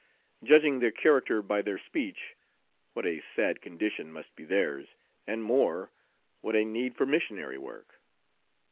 Judging their character by their speech, what a sad condition must be theirs; and more, what a need for missionary work!